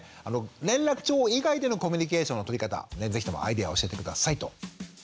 連絡帳以外でのコミュニケーションの取り方是非ともアイデアを教えて下さいと。